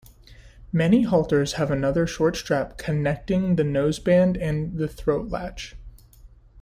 Many halters have another short strap connecting the noseband and the throatlatch.